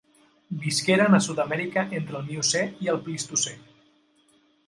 Visqueren a Sud-amèrica entre el Miocè i el Plistocè.